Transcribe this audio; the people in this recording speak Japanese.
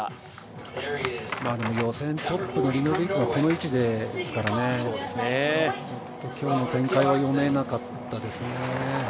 予選トップのリンドビークがこの位置ですからね、今日の展開は読めなかったですね。